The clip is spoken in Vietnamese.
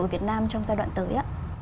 ở việt nam trong giai đoạn tới